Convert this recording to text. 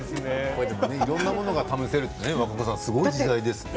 いろいろなものが試せてすごい時代ですね。